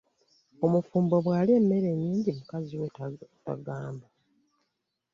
Omufumbo bw'alya emmere ennyingi, mukazi we tagamba.